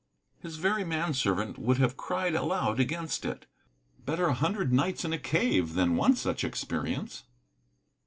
His very manservant would have cried aloud against it. Better a hundred nights in a cave than one such experience!